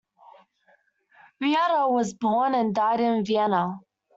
Reutter was born and died in Vienna.